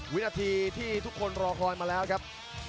วินาทีที่ทุกคนรอคอยมาแล้วครับ